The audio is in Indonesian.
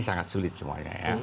sangat sulit semuanya ya